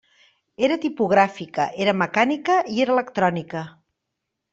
Era tipogràfica, era mecànica i era electrònica.